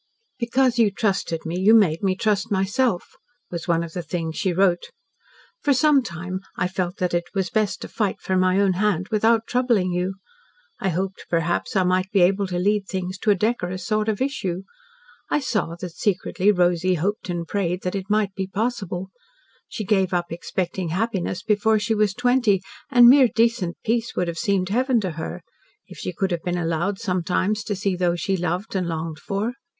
"Because you trusted me you made me trust myself," was one of the things she wrote. "For some time I felt that it was best to fight for my own hand without troubling you. I hoped perhaps I might be able to lead things to a decorous sort of issue. I saw that secretly Rosy hoped and prayed that it might be possible. She gave up expecting happiness before she was twenty, and mere decent peace would have seemed heaven to her, if she could have been allowed sometimes to see those she loved and longed for.